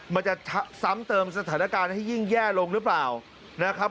มันจะซ้ำเติมสถานการณ์ให้ยิ่งแย่ลงหรือเปล่านะครับ